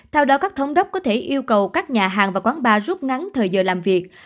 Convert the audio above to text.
theo đó các thống đốc có thể yêu cầu các nhà hàng và quán bar rút ngắn thời giờ làm việc